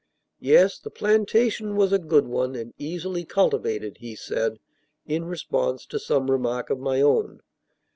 Yes, the plantation was a good one and easily cultivated, he said, in response to some remark of my own.